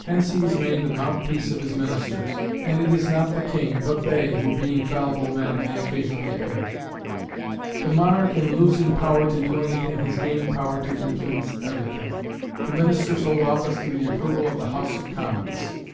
Hence he was made the mouthpiece of his ministers, and it is not the king, but they, who, being fallible men, may occasionally err. The monarch, in losing power to do anything has gained power to influence everything. The ministers hold office through the approval of the House of Commons.